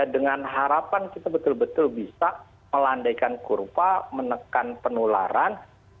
dengan harapan kita betul betul bisa melandaikan kurva menekan penularan